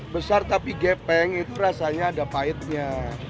besar tapi gepeng itu rasanya ada pahitnya